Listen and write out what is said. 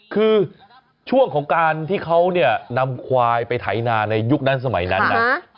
คือช่วงของการที่เขาเนี่ยนำควายไปไถนาในยุคนั้นสมัยนั้นนะ